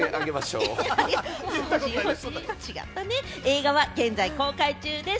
映画は現在公開中です。